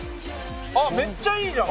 めっちゃいいじゃん！